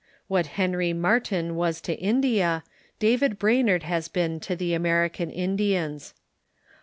What Henry Mart5'n was to India, David Brainerd has been to the American Indians.